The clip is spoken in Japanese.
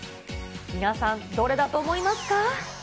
皆さん、どれだと思いますか。